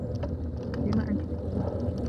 لم أنتِ تبكين؟